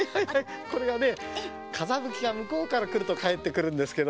これがねかざむきがむこうからくるとかえってくるんですけど。